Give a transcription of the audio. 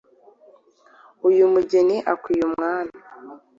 Uyu mugeni akwiye umwami;